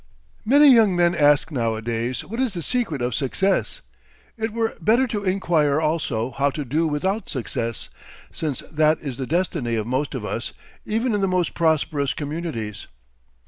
Many young men ask nowadays what is the secret of "success." It were better to inquire also how to do without success, since that is the destiny of most of us, even in the most prosperous communities.